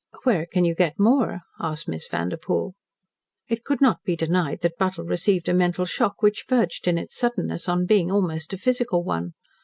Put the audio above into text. "Where can you get more?" asked Miss Vanderpoel. It could not be denied that Buttle received a mental shock which verged in its suddenness on being almost a physical one.